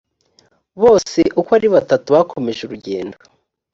bose uko ari batatu bakomeje urugendo